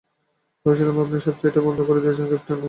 ভেবেছিলাম আপনি সব থিয়েটার বন্ধ করে দিয়েছেন, ক্যাপ্টেন নিল।